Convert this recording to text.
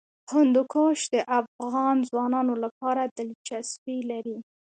هندوکش د افغان ځوانانو لپاره دلچسپي لري.